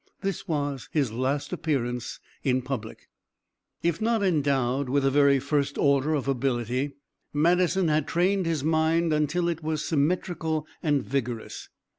This was his last appearance in public. If not endowed with the very first order of ability, Madison had trained his mind until it was symmetrical and vigorous.